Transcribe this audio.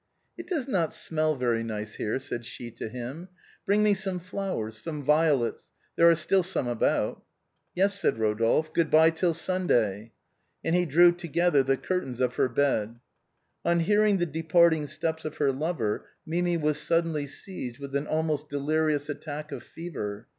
" It does not smell very nice here," said she to him, " bring me some flowers, some violets, there are still some about." " Yes," said Rodolphe, " good bye till Sunday." And he drew together the curtains of her bed. On hearing the departing steps of her lover, Mimi was sud denly seized with an almost delirious attack of fever.